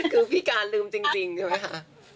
คือพี่การลืมจริงใช่ไหมคะ